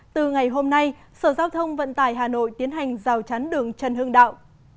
từ ngày hôm nay sở giao thông vận tải hà nội tiến hành rào chắn đường trần hưng đạo